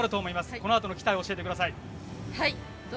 このあとの期待を聞かせてください。